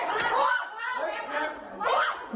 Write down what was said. มึงไม่ได้ยุ่งอย่างไร